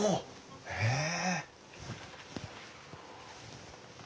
へえ。